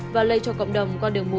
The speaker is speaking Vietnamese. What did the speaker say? và lây cho cộng đồng